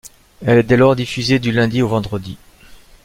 Elle est dès lors diffusée du lundi au vendredi.